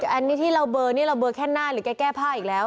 อันนี้ที่เราเบอร์นี่เราเบอร์แค่หน้าหรือแกแก้ผ้าอีกแล้ว